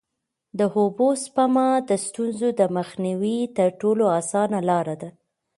د اوبو سپما د ستونزو د مخنیوي تر ټولو اسانه لاره ده.